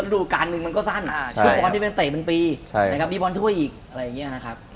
ดูการหนึ่งมันก็สั้นชื่อบอลที่เป็นเตะเป็นปีนะครับมีบอลถ้วยอีกอะไรอย่างนี้นะครับ